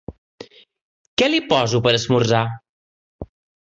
Què li poso per esmorzar?